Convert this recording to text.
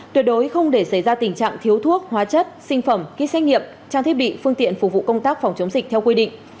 tuyệt đối không để xảy ra tình trạng thiếu thuốc hóa chất sinh phẩm ký xét nghiệm trang thiết bị phương tiện phục vụ công tác phòng chống dịch theo quy định